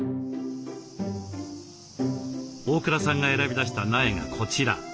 大倉さんが選び出した苗がこちら。